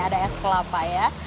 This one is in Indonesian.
ada es kelapa ya